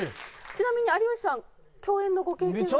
ちなみに有吉さん共演のご経験は？